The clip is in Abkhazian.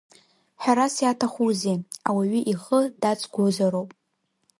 Ҳәарас иаҭахузеи, ауаҩы ихы даҵгәозароуп.